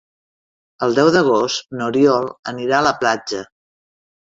El deu d'agost n'Oriol anirà a la platja.